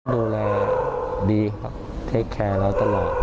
ดูแลดีครับต้องดูแลแล้วตลอด